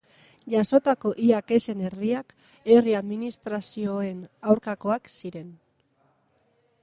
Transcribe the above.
Jasotako ia kexen erdiak herri administrazioen aurkakoak ziren.